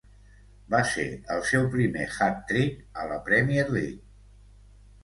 Va ser el seu primer hat-trick a la Premier League.